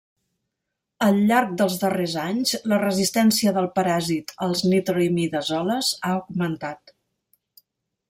Al llarg dels darrers anys, la resistència del paràsit als nitroimidazoles ha augmentat.